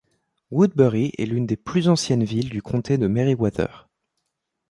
Woodbury est l'une des plus anciennes villes du comté de Meriwether.